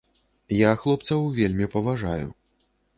Я хлопцаў вельмі паважаю.